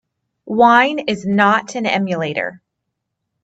Wine is not an emulator.